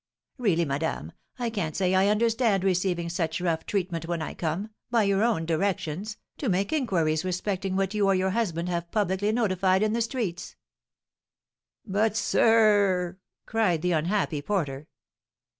"Really, madame, I can't say I understand receiving such rough treatment when I come, by your own directions, to make inquiries respecting what you or your husband have publicly notified in the streets." "But, sir r r !" cried the unhappy porter.